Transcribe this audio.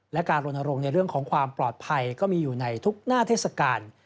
และการรณรงค์ในเรื่องของความปลอดภัยก็มีอยู่ในทุกหน้าเทศกาล